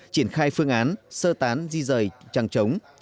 triển khai phương án sơ tán di rời trăng trống